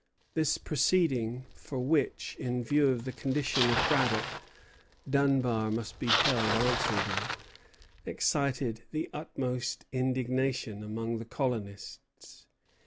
This proceeding, for which, in view of the condition of Braddock, Dunbar must be held answerable, excited the utmost indignation among the colonists.